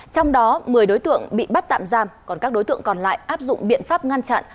trong đó một mươi đối tượng bị bắt tạm giam còn các đối tượng còn lại áp dụng biện pháp ngăn chặn